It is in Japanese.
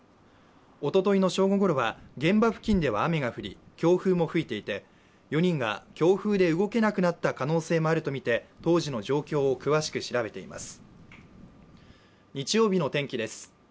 おとといの正午ごろは現場付近では雨が降り、強風も吹いていて、４人が強風で動けなくなった可能性もあるとみて当時の状況を詳しく調べています。